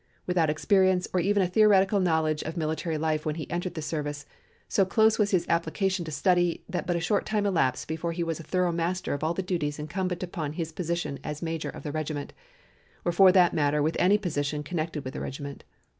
Without experience, or even a theoretical knowledge of military life when he entered the service, so close was his application to study, that but a short time elapsed before he was a thorough master of all the duties incumbent upon his position as Major of the regiment, or for that matter with any position connected with the regiment.